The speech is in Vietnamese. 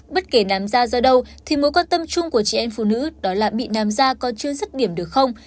bất kể nám da do đâu thì mối quan tâm chung của chị em phụ nữ đó là bị nám da có chương sức điểm được không